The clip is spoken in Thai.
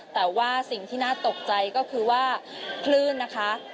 แต่ว่าสิ่งที่น่าตกใจก็คือว่าคลื่นนะคะ